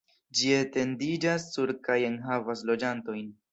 Ĝi etendiĝas sur kaj enhavas loĝantojn.